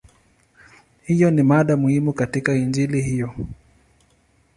Hiyo ni mada muhimu katika Injili hiyo.